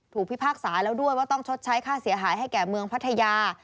พิพากษาแล้วด้วยว่าต้องชดใช้ค่าเสียหายให้แก่เมืองพัทยา